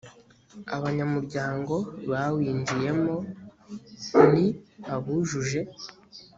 abanyamuryango bawinjiyemo ni abujuje